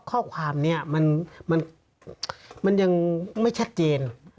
ข้อความนี้มันยังไม่ชัดเจน